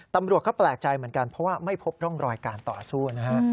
ตำรวจก็แปลกใจเหมือนกันเพราะว่าไม่พบร่องรอยการต่อสู้นะฮะ